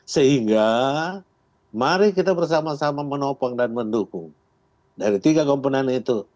sehingga mari kita bersama sama menopang dan mendukung dari tiga komponen itu